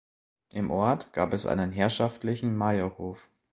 Im Ort gab einen herrschaftlichen Meierhof.